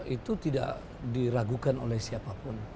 itu tidak diragukan oleh siapapun